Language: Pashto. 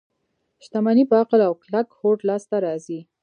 شتمني په عقل او کلک هوډ لاس ته راځي.